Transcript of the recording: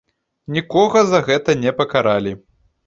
Нікога за гэта не пакаралі.